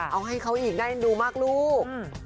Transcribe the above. เอาให้เขาอีกได้เอ็นดูมากลูก